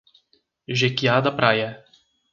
Jequiá da Praia